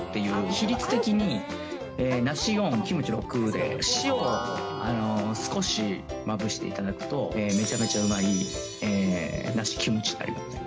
比率的に梨４、キムチ６で、塩を少しまぶしていただくと、めちゃめちゃうまい、梨キムチになりますね。